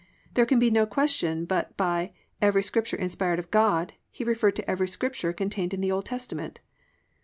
there can be no question but by "every scripture inspired of God" he referred to every Scripture contained in the Old Testament.